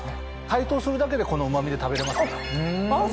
解凍するだけでこのうま味で食べれますから。